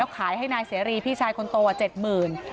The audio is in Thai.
แล้วขายให้นายเสรีพี่ชายคนโตว่าเจ็ดหมื่น